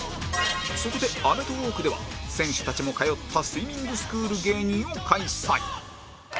そこで『アメトーーク』では選手たちも通ったスイミングスクール芸人を開催